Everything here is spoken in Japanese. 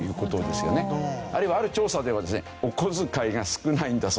あるいはある調査ではですねお小遣いが少ないんだそうですよ。